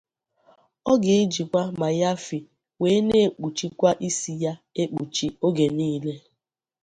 Ọ ga-ejikwa 'maiyafi' wee na-ekpuchikwa isi ya ekpuchi oge niile.